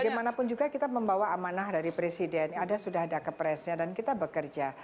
bagaimanapun juga kita membawa amanah dari presiden sudah ada kepresnya dan kita bekerja